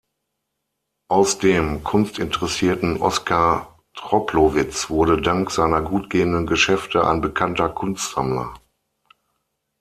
Aus dem kunstinteressierten Oscar Troplowitz wurde dank seiner gut gehenden Geschäfte ein bekannter Kunstsammler.